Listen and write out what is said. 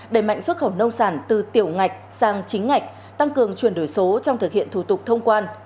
đẩy mạnh xuất khẩu nông sản từ tiểu ngạch sang chính ngạch tăng cường chuyển đổi số trong thực hiện thủ tục thông quan